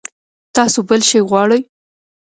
تاسو بل شی غواړئ؟